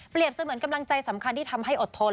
เสมือนกำลังใจสำคัญที่ทำให้อดทน